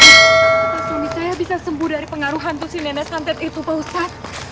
kita suami saya bisa sembuh dari pengaruh hantu si nenek santet itu pak ustadz